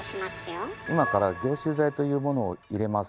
今から凝集剤というものを入れます。